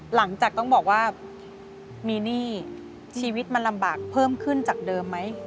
หลังจากต้องบอกว่ามีหนี้ชีวิตมันลำบากเพิ่มขึ้นจากเดิมไหม